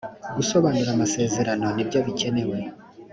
gusobanura amasezerano nibyo bikenewe.